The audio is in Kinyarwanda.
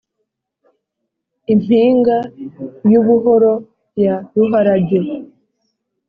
impinga y'ubuhoro ya ruharage,